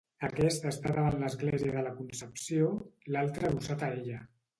Aquest està davant l'església de la Concepció l'altre adossat a ella.